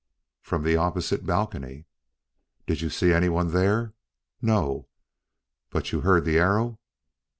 "From the opposite balcony." "Did you see anyone there?" "No." "But you heard the arrow?"